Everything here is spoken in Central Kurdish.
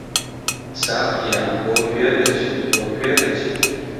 ساقییا! بۆ کوێ دەچی، بۆ کوێ دەچی؟